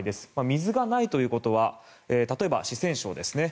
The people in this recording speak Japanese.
水がないということは例えば、四川省ですね